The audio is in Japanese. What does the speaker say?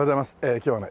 今日はね